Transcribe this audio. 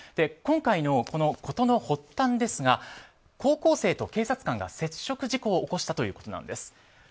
今回のことの発端ですが高校生と警察官が接触事故を起こしたということなんです。